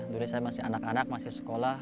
dulu saya masih anak anak masih sekolah